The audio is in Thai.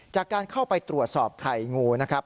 จากการเข้าไปตรวจสอบไข่งูนะครับ